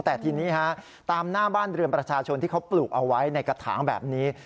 แต่ทีนี้ฮะตามหน้าบ้านเรือนประชาชนที่เขาปลูกเอาไว้ในกระถางแบบนี้